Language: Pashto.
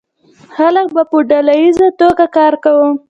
خلکو به په ډله ایزه توګه کار کاوه.